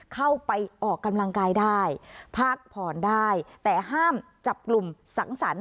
เข้าไปออกกำลังกายได้พักผ่อนได้แต่ห้ามจับกลุ่มสังสรรค